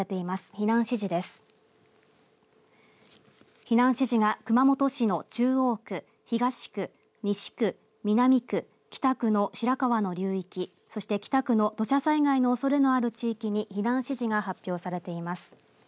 避難指示が熊本市の中央区東区西区、南区、北区の白川の流域そして北区の土砂災害のそれがある地域に避難指示が発表されてます。